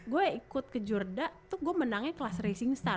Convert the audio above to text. gue ikut ke jurda tuh gue menangnya kelas racing star